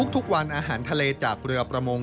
ทุกวันอาหารทะเลจากเรือประมง